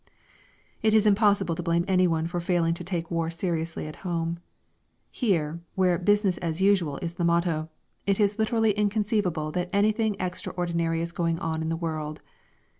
It is impossible to blame anyone for failing to take war seriously at home. Here, where "business as usual" is the motto, it is literally inconceivable that anything extraordinary is going on in the world.